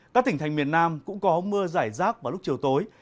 các tỉnh thành miền nam cũng có mưa giải rác vào lúc chiều tối